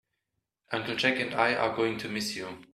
Uncle Jack and I are going to miss you.